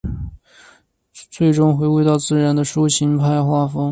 最终回归到自然的抒情派画风。